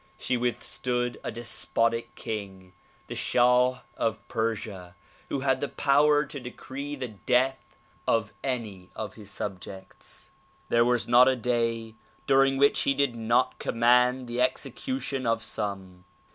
She withstood a despotic king, the Shah of Persia who had the power to decree the death of any of his subjects. There was not a day during which he did not command the execution of some.